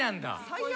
最悪。